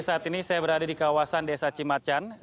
saat ini saya berada di kawasan desa cimacan